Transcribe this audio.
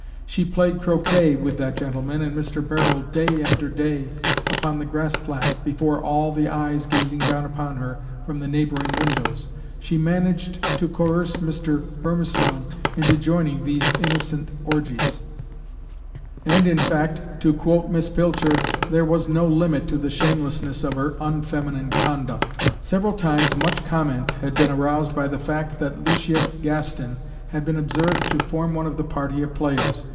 She played croquet with that gentleman and Mr. Barold day after day, upon the grass plat, before all the eyes gazing down upon her from the neighboring windows; she managed to coerce Mr. Burmistone into joining these innocent orgies; and, in fact, to quote Miss Pilcher, there was "no limit to the shamelessness of her unfeminine conduct." Several times much comment had been aroused by the fact that Lucia Gaston had been observed to form one of the party of players.